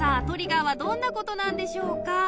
トリガーはどんなことなんでしょうか？